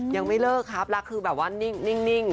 ยังไม่เลิกครับรักคือแบบว่านิ่ง